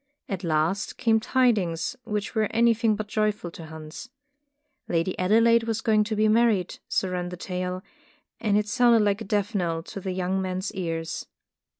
At last came tidings which were anything but joyful to Hans. Lady Adelaide was going to be married, so ran the tale, and it sounded like a death knell in the young man's ears.